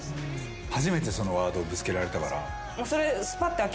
初めてそのワードをぶつけられたから。